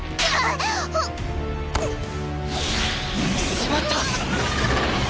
しまった！